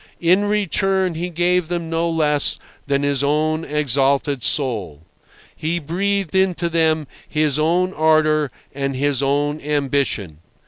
In return he gave them no less than his own exalted soul. He breathed into them his own ardour and his own ambition.